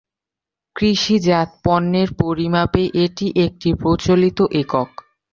কৃষিজাত পণ্যের পরিমাপে এটি একটি প্রচলিত একক।